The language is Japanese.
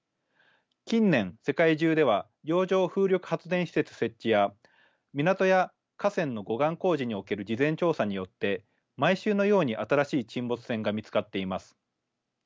近年世界中では洋上風力発電施設設置や港や河川の護岸工事における事前調査によって毎週のように新しい沈没船が見つかっています。